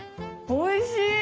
おいしい！